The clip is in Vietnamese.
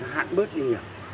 hạn bớt đi nhiều